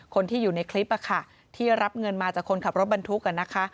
คนที่อยู่ในคลิปที่รับเงินมาจากคนขับรถบรรทุกนะคะ